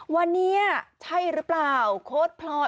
วันนี้ใช่หรือเปล่าโค้ดพลอย